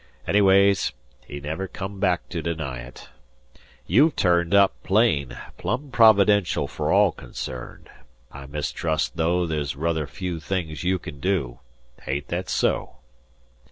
Anyways, he never come back to deny it. You've turned up, plain, plumb providential for all concerned. I mistrust, though, there's ruther few things you kin do. Ain't thet so?"